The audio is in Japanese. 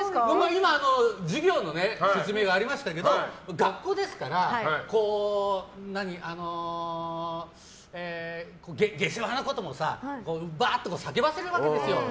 授業の説明がありましたけど学校ですから、下世話なこともバーっと叫ばせるわけですよ。